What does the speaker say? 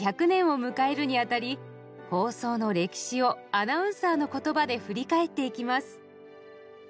１００年を迎えるにあたり放送の歴史をアナウンサーのことばで振り返っていきます。